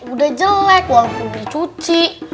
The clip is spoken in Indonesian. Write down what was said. udah jelek wangku dicuci